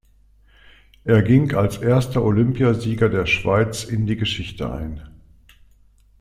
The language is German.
Er ging als erster Olympiasieger der Schweiz in die Geschichte ein.